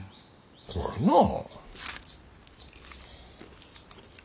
怖いなあ。